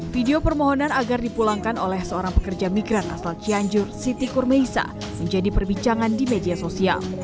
video permohonan agar dipulangkan oleh seorang pekerja migran asal cianjur siti kurmeisa menjadi perbicaraan di media sosial